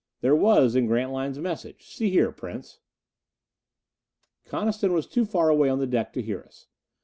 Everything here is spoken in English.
"There was, in Grantline's message See here, Prince." Coniston was too far away on the deck to hear us.